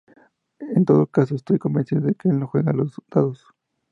En todo caso estoy convencido de que Él no juega a los dados.